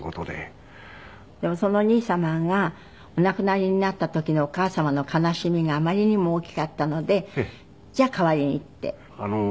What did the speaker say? でもそのお兄様がお亡くなりになった時のお母様の悲しみがあまりにも大きかったのでじゃあ代わりにって？